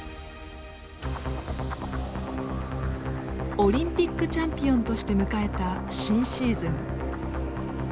オリンピックチャンピオンとして迎えた新シーズン。